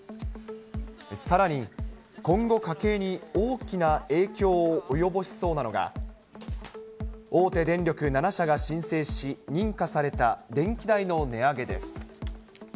さらに、今後家計に大きな影響を及ぼしそうなのが、大手電力７社が申請し、認可された電気代の値上げです。